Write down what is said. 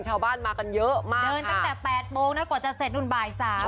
ชาวบ้านมากันเยอะมากเดินตั้งแต่๘โมงนะกว่าจะเสร็จนู่นบ่าย๓